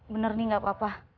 bener nih gak apa apa